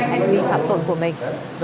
hành vi phạm tội của mình